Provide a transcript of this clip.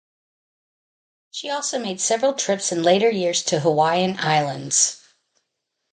She also made several trips in later years to Hawaiian Islands.